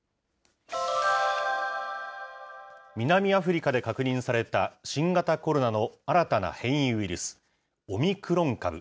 南アフリカで確認された新型コロナの新たな変異ウイルス、オミクロン株。